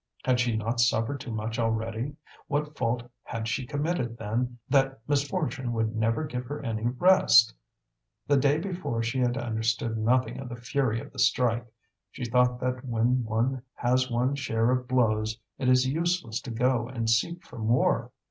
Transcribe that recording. Had she not suffered too much already? What fault had she committed, then, that misfortune would never give her any rest? The day before she had understood nothing of the fury of the strike; she thought that when one has one's share of blows it is useless to go and seek for more.